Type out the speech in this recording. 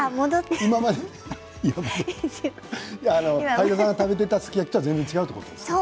はいださんが食べていたすき焼きとは全然違うそうなんです